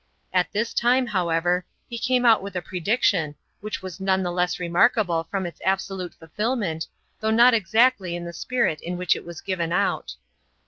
At this time, however, he came out with a prediction, which was none the CHAP, xn.] DEATH OP TWO OF THE CREW. 47 less remarkable from its absolute fulfilmenty tbougb not exactly in tbe spirit in whicb it was given out.